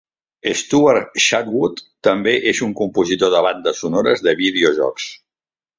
Stuart Chatwood també és un compositor de bandes sonores de vídeo jocs.